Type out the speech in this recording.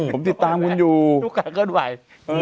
ผมติดตามคุณอยู่มีโอกาสเคลื่อนไหว